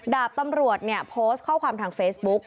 ดาบตำรวจเนี่ยโพสต์ข้อความทางเฟซบุ๊ก